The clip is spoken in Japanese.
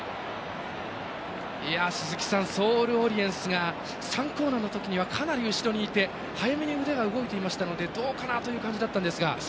鈴木さん、ソールオリエンスが３コーナーのときにはかなり後ろにいて早めに腕が動いていてどうかなという感じだったんですが。